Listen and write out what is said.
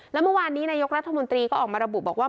แล้วเมื่อวานนี้นายกรัฐมนตรีก็ออกมาระบุบอกว่า